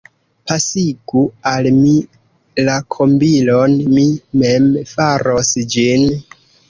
Pasigu al mi la kombilon, mi mem faros ĝin.